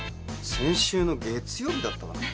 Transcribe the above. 先週の月曜日だったかな。